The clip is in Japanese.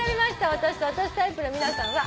私と私タイプの皆さんは。